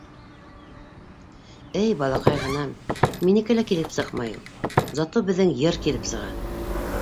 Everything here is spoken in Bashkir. -Эй, балаҡай ғынам, минеке лә килеп сыҡмай ул. Зато беҙҙең йыр килеп сыға.